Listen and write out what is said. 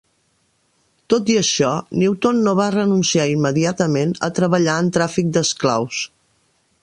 Tot i això, Newton no va renunciar immediatament a treballar en tràfic d'esclaus.